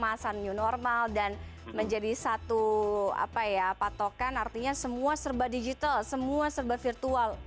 masa new normal dan menjadi satu patokan artinya semua serba digital semua serba virtual